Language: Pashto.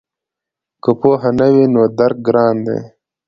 که پوهه نه وي نو درک ګران دی.